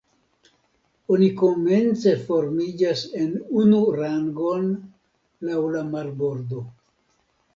oni komence formiĝas en unu rangon laŭ la marbordo.